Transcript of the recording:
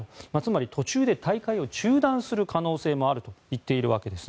途中で大会を中断する可能性もあると言っているわけです。